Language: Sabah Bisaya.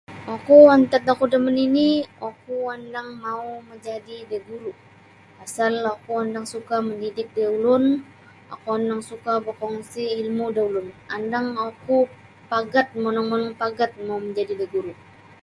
Oku antad oku da manini oku andang mau majadi da guru pasal oku andang suka mandidik da ulun oku andang suka bakungsi ilmu da ulun andang oku pagat monong-monong pagat mau majadi da guru.